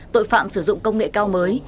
tội phạm sử dụng công nghệ cao mới